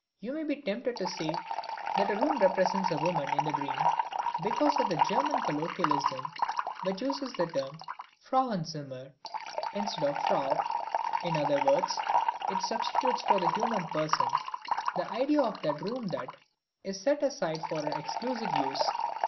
You may be tempted to say that a room represents a woman in the dream because of the German colloquialism which uses the term Frauenzimmer instead of Frau, in other words, it substitutes for the human person the idea of that room that is set aside for her exclusive use.